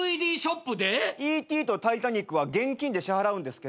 『Ｅ．Ｔ．』と『タイタニック』は現金で支払うんですけど。